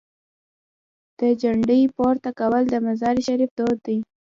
د جنډې پورته کول د مزار شریف دود دی.